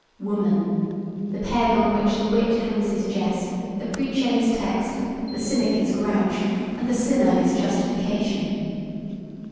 Woman! The peg on which the wit hangs his jest, the preacher his text, the cynic his grouch, and the sinner his justification!